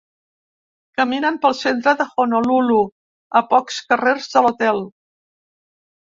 Caminen pel centre de Honolulu, a pocs carrers de l'hotel.